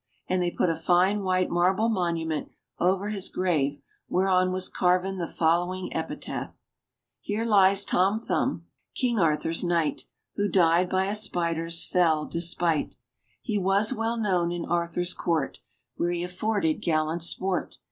And they put a fine white marble monument over his grave whereon was carven the following epitaph : Here lyes Tom Thumb, King Arthur's Knight, Who died by a spider's fell despite. 214 ENGLISH FAIRY TALES He was well known in Arthur's Court, Where he afforded gallant sport.